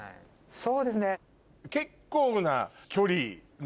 そうですね。